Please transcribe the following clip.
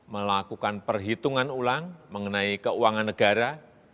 melakukan perhitungan ulang mengenai keuangan negara